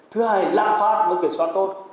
thứ hai la pháp và kiểm soát tốt